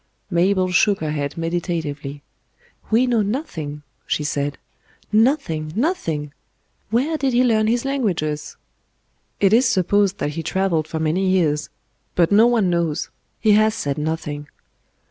Mabel shook her head meditatively. "We know nothing," she said. "Nothing; nothing! Where did He learn His languages?" "It is supposed that He travelled for many years. But no one knows. He has said nothing."